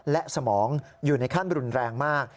และสมองอยู่ในขั้นรุนแรงมาก